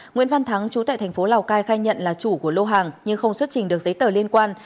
nguyễn văn thắng chú tại thành phố lào cai khai nhận là chủ của lô hàng nhưng không xuất trình được giấy tờ liên quan